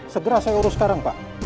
segera saya urus sekarang pak